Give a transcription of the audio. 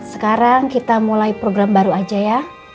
sekarang kita mulai program baru aja ya